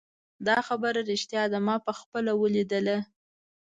دا خبره ریښتیا ده ما پخپله ولیدله